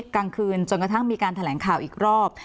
กลางคืนจนกระทั่งมีการแถลงข่าวอีกรอบ